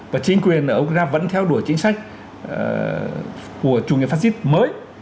và chính quyền ở ukraine vẫn theo đuổi chính sách của chủ nghĩa fascist mới